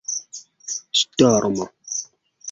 ŝtormo